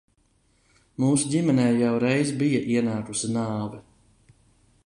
Mūsu ģimenē jau reiz bija ienākusi nāve.